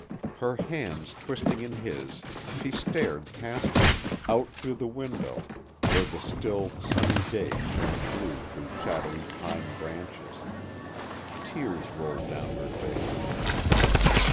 Her hands twisting in his, she stared past him, out through the window, where the still, sunny day shone blue through shadowy pine branches. Tears rolled down her face.